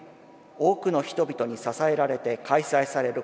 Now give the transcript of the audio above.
多くの人々に支えられて開催される